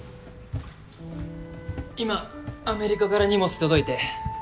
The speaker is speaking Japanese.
・今アメリカから荷物届いて。